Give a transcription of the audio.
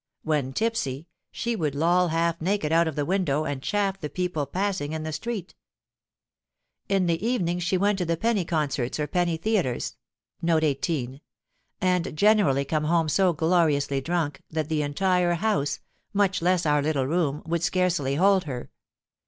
When tipsy, she would loll half naked out of the window, and chaff the people passing in the street. In the evening she went to the penny concerts or penny theatres, and generally came home so gloriously drunk that the entire house, much less our little room, would scarcely hold her.